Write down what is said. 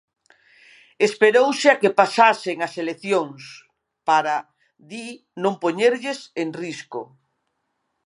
"Esperouse a que pasasen as eleccións" para, di, non poñerlles "en risco".